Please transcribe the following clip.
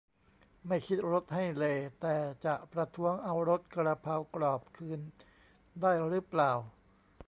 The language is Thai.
ไม่คิดรสให้เลย์แต่จะประท้วงเอารสกระเพรากรอบคืนได้รึเปล่า